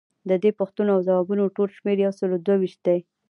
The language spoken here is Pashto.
ددې پوښتنو او ځوابونو ټول شمیر یوسلو دوه ویشت دی.